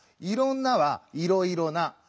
「いろんな」は「いろいろな」。